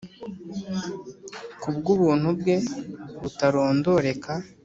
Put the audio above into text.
k'ubw'ubuntu bwe butarondoreka,